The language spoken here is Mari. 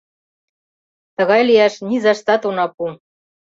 Тыгай лияш низаштат она пу!